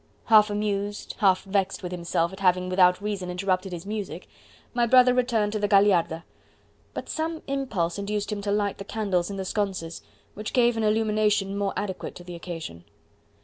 Half amused, half vexed with himself at having without reason interrupted his music, my brother returned to the Gagliarda; but some impulse induced him to light the candles in the sconces, which gave an illumination more adequate to the occasion.